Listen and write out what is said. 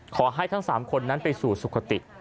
ขอให้ทั้ง๓คนนั้นไปสู่สุขติ